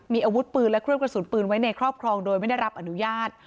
มีอาวุธปืนและเครื่องกระสุนปืนไว้ในครอบครองโดยไม่ได้รับอนุญาต